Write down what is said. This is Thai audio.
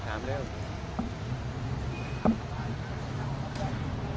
สวัสดีครับ